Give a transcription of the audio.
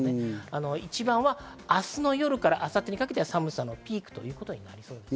一番は明日の夜から明後日にかけては寒さのピークということになりそうです。